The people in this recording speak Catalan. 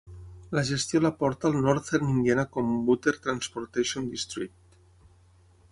La gestió la porta el Northern Indiana Commuter Transportation District.